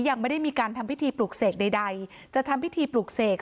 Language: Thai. ยังไม่ได้มีการทำพิธีปลูกเสกใดจะทำพิธีปลูกเสก